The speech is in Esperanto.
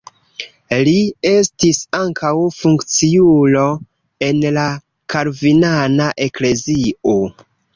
Li estis ankaŭ funkciulo en la kalvinana eklezio.